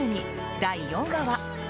第４話は。